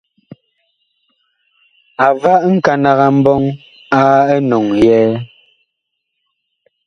A va nkanag a mbɔŋ a enɔŋ yɛɛ.